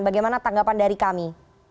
bagaimana tanggapan dari kami